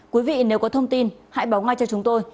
quý vị nếu có thông tin hãy báo ngay cho chúng tôi